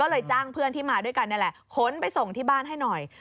เลยจ้างเพื่อนที่มาด้วยกันนี่แหละขนไปส่งที่บ้านให้หน่อย